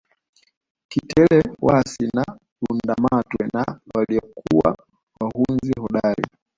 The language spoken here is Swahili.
Kitelewasi na Lundamatwe na walikuwa wahunzi hodari